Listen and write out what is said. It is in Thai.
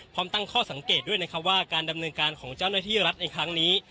ตั้งข้อสังเกตด้วยนะครับว่าการดำเนินการของเจ้าหน้าที่รัฐในครั้งนี้